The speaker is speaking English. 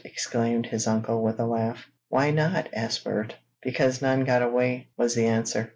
exclaimed his uncle with a laugh. "Why not?" asked Bert. "Because none got away," was the answer.